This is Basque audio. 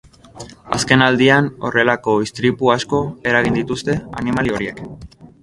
Azken aldian horrelako istripu asko eragin dituzte animalia horiek.